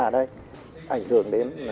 ở đây ảnh hưởng đến